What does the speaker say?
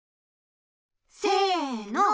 せの！